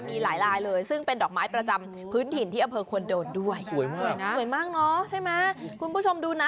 มีหลายลายเลยซึ่งเป็นดอกไม้ประจำพื้นถิ่นที่เอาเ